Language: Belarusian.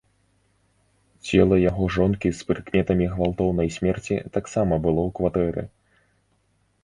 Цела яго жонкі з прыкметамі гвалтоўнай смерці таксама было ў кватэры.